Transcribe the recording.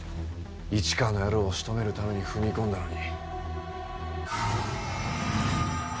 市川の野郎を仕留めるために踏み込んだのに。